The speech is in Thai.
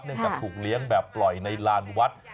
จากถูกเลี้ยงแบบปล่อยในลานวัด